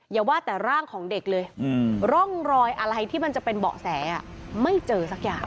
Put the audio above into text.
อย่าว่าแต่ร่างของเด็กเลยร่องรอยอะไรที่มันจะเป็นเบาะแสไม่เจอสักอย่าง